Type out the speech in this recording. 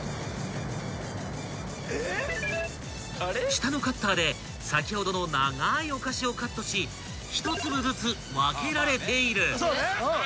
［下のカッターで先ほどの長ーいお菓子をカットし１粒ずつ分けられている］